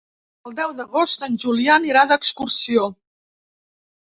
El deu d'agost en Julià anirà d'excursió.